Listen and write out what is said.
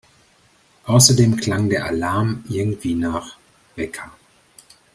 Außerdem klang der Alarm irgendwie nach … Wecker!